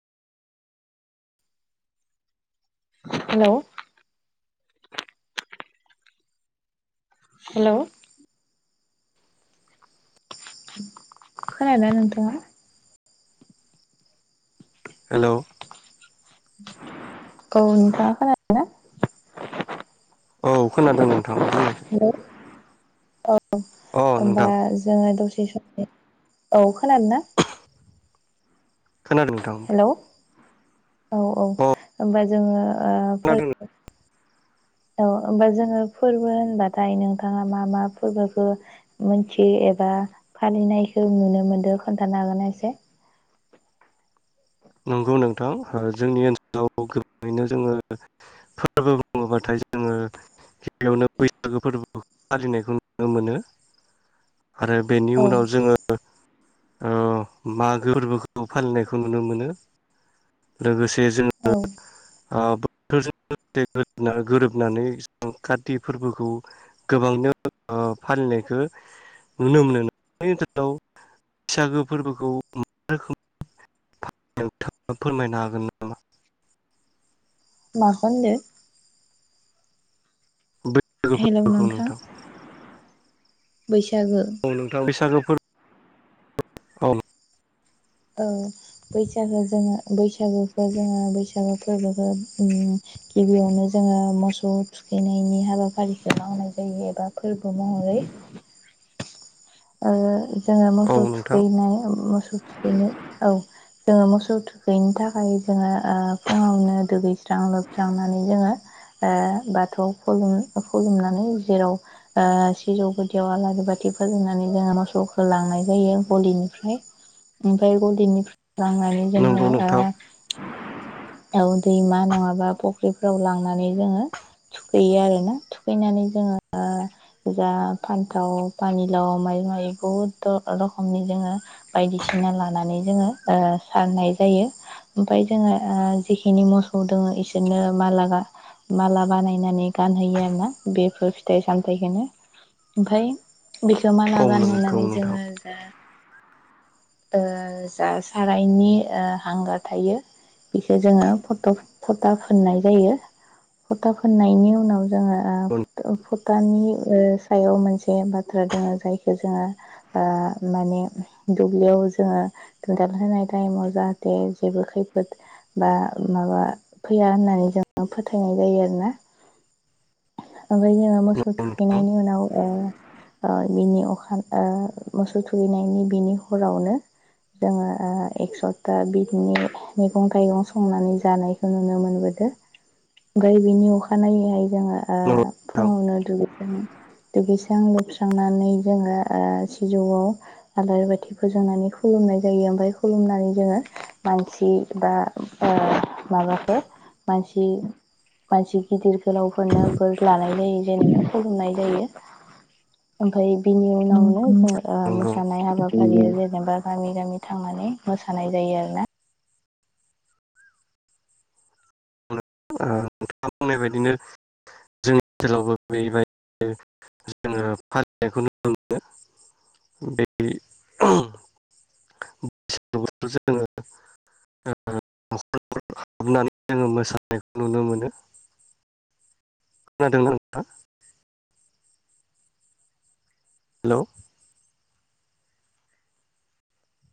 हेल'। Hello. खोनाय ना नोंथाङा। हेल'। औ नोथाङा खोनादो ना? औ खोनादों नोंथां बुंनायसाय अ होनबा नोंथां जोङो दसे सम औ खोनादो ना? खोनादों नोंथां हेलौ औ औ होनबा जोङो ओ फै खोनादों औ होमबा जोङो फोरबो होनबाथाय नोंथाङा मा मा फोरबोखौ मिथियो एबा फालिनायखौ नुनो मोनदो खोन्थानो हागोन एसे? नंगौ नोंथां जोंनि ओनसोलाव गोबाङैनो जोङो फोरबो बुङोबाथाय जोङो गिबियावनो बैसागो फोरबो फालिनायखौ नुनो मोनो। आरो बेनि औ उनाव जोङो ओ मागो फोरबोखौ फालिनायखौ नुनो मोनो। लोगोस से औ जोङो आब [unintelligible] गोरोबनानै कारति फोरबोखौ गोबांनो ओ फालिनायखौ नुनो मोनो [inaudible] बैसागो फोरबोखौ मा रोखोम नोंथाङा फोरमायनो हागोन नामा? माखौ होनदों? बै [inaudible] हेलौ फोरबोखौ नोंथां। बै औ नोंथां बैसागो [inaudible] औ बैसागो जोङो बैसागुखौ जोङो बैसागु फोरबोखौ उम गिबियावनो जोङो मोसौ थुखैनायनि हाबाफारिखौ मावनाय जायो एबा फोरबो महरै ओ जोङो औ मोसौ नोंथां थुखैनाय मो [unintelligible] औ जोङो मोसौ थुखैैनि थाखाय जोङो ओ फुङावनो दुगैस्रां लोबस्रांनानै जोङो ओ बाथौ खुलुम खुलुमनानै जेराव ओ सिजौ गुदियाव आलारि बाथि फोजोंनानै जोंहा मोसौखौ लांनाय जायो गलिनिफ्राय ओमफ्राय गलिनि लांनानै जोङो नंगौ ओ नोंथां औ दैमा नङाबा फख्रिफ्राव लांनानै जोङो थुखैयो आरोना थुखैनानै जोङो जा फानथाव फानिलाव माइ माइ बहुद द रखमनि जोङो बायदिसिना लानानै जोङो ओ सारनाय जायो। ओमफ्राय जोङो ओ जेखिनि मोसौ दङ इसोरनो माला गा माला बानायनानै गानहोयो आरो ना बेफोर फिथाइ सामथायखोनो ओमफ्राय बेखौ मा औ गान नंगौ होनानै नोंथां जोङो जा ओ जा सारायनि आ हांगार थायो बेखौ जोङो फट' फटा फोननाय जायो। फटा फुननायनि उनाव जोङो नंगौ फटानि सायाव मोनसे बाथ्रा दङो जायखौ जोङो माने दुब्लियाव जोङो दोनदाल होनाय टाइमाव जाहाथे जेबो खैफोद बा माबा फैया होननानै जोङो फोथायनाय जायो आरोना ओमफ्राय जोङो मोसौ नोंथां थुखैनायनि उनाव ओ अ बिनि अखा अ मोसौ थुखैनायनि बिनि हरावनो जोङो आ एक स'बथा बिदिनो मैगं थाइगं संनानै जानायखौ नुनो मोनबोदों ओमफ्राय बिनि अखानायैहाय जोङो ओ नंगौ नोंथां फुङावनो दुगैखां दुगैस्रां लोबस्रांनानै जोङो ओ सिजौआव आलारि बाथि फोजोंनानै खुलुमनाय जायो ओमफ्राय खुलुमनानै जोङो मानसि बा ओ माबाखो मानसि मानसि गिदिर गोलावफोरनो बोर लानाय जायो जेन खुलुमनाय जायो ओमफ्राय बिनि उनावनो जों ओ नंगौ मोसानाय हाबा फालियो जेनेबा गामि गामि थांनानै मोसानाय जायो आरो ना बुंनाय बायदिनो जोंनि ओनसोलावबो बेबायदि जोङो फालिनायखौ नुनो मोनो बे [inaudible] हाबनानै जोङो मोसानायखौ नुनो मोनो। खोनादोंना नोंथां? हेलौ